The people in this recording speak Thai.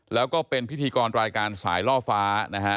แล้วก็เป็นพิธีกรรายการสายล่อฟ้านะฮะ